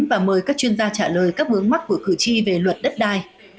và mời các chuyên gia trả lời các bướng mắt của cử tri về luật đất đai